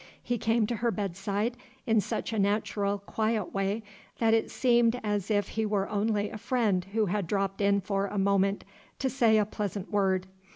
He came to her bedside in such a natural, quiet way, that it seemed as if he were only a friend who had dropped in for a moment to say a pleasant word.